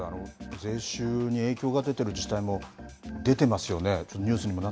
税収に影響が出ている自治体も出ていますよね。